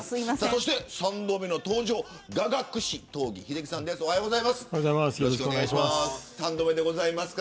そして、３度目の登場雅楽師、東儀秀樹さんです。